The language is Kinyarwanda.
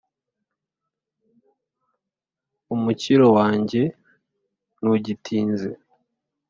umukiro wanjye ntugitinze ;